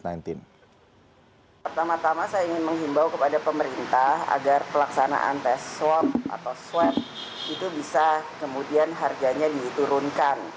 pertama tama saya ingin menghimbau kepada pemerintah agar pelaksanaan tes swab atau swab itu bisa kemudian harganya diturunkan